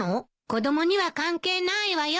子供には関係ないわよ。